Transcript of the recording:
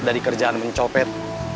dari kerjaan mencopet